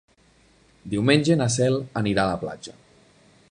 Diumenge na Cel anirà a la platja.